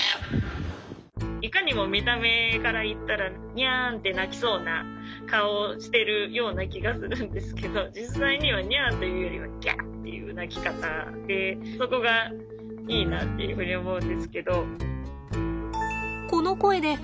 いかにも見た目からいったらニャンって鳴きそうな顔をしてるような気がするんですけど実際にはニャンというよりはギャアっていう鳴き方でそこがいいなっていうふうに思うんですけど。